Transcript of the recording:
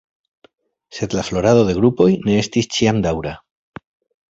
Sed la florado de grupoj ne estis ĉiam daŭra.